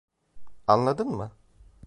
Anladın mı?